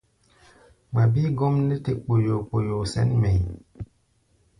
Ŋma bíí gɔ́m nɛ́ te kpoyoo-kpoyoo sɛ̌n mɛʼí̧.